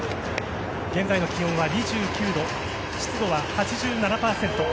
現在の気温は２９度湿度は８７％。